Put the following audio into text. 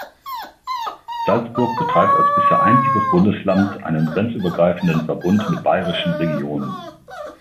Salzburg betreibt als bisher einziges Bundesland einen grenzübergreifenden Verbund mit bayerischen Regionen.